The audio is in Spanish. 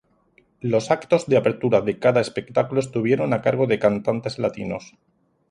Los actos de apertura de cada espectáculo estuvieron a cargo de cantantes latinos.